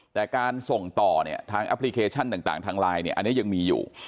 แต่การส่งต่อเนี่ยทางแอปพลิเคชันต่างทางไลน์เนี่ยอันนี้ยังมีอยู่